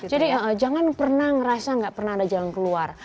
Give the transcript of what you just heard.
jadi jangan pernah ngerasa gak pernah ada jalan keluar